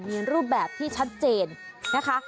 มีรูปแบบที่ชัดเจนนะคะ